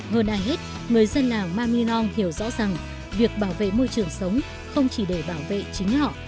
hơn ai hết người dân làng mami nong hiểu rõ rằng việc bảo vệ môi trường sống không chỉ để bảo vệ chính họ